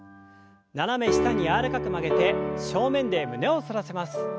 斜め下に柔らかく曲げて正面で胸を反らせます。